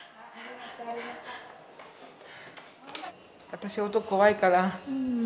私音怖いから。